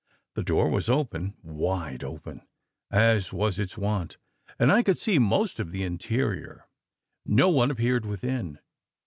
The door was open wide open, as was its wont; and I could see most of the interior. No one appeared within!